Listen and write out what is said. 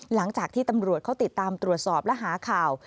หลังจากที่ตำรวจเขาติดตามตรวจสอบและหาข่าว